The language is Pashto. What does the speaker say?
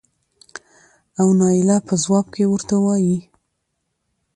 او نايله په ځواب کې ورته وايې